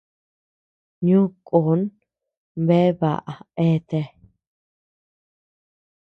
Ño kon bea baʼa eatea.